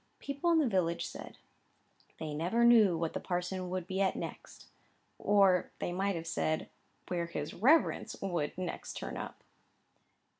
People in the village said, "they never knew what the parson would be at next;" or they might have said, "where his reverence would next turn up."